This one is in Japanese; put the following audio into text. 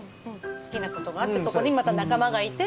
好きなことがあってそこにまた、仲間がいて。